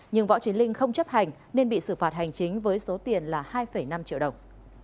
nhưng võ trí linh không chấp hành nên bị xử phạt hành chính với số tiền là hai năm triệu đồng